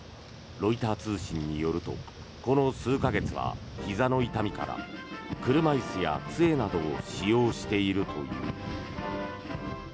ロイター通信によるとこの数か月はひざの痛みから車椅子や杖などを使用しているという。